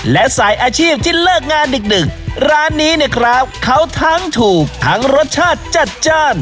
และสายอาชีพที่เลิกงานดึกดึกร้านนี้เนี่ยครับเขาทั้งถูกทั้งรสชาติจัดจ้าน